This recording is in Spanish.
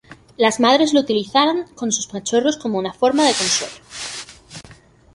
Las madres lo utilizan con sus cachorros como una forma de consuelo.